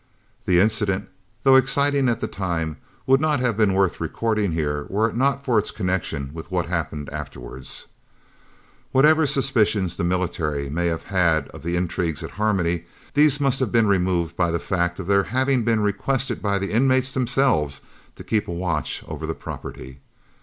This incident, though exciting at the time, would not have been worth recording here were it not for its connection with what happened afterwards. Whatever suspicions the military may have had of intrigues at Harmony, these must have been removed by the fact of their having been requested by the inmates themselves to keep a watch over the property.